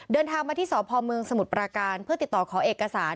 เดินทางมาที่สพเมืองสมุทรปราการเพื่อติดต่อขอเอกสาร